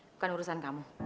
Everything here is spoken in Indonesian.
bukan urusan kamu